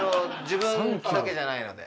自分だけじゃないので。